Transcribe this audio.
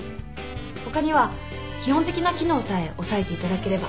他には基本的な機能さえ押さえていただければ。